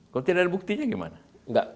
kalau tidak ada buktinya gimana